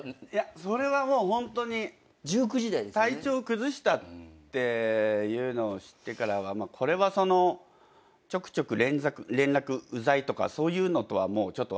それはもうホントに体調を崩したっていうのを知ってからはこれはちょくちょく連絡ウザいとかそういうのとは訳が違う。